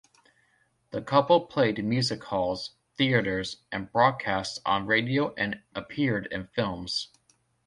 The couple played music halls, theatres, and broadcast on radio and appeared in films.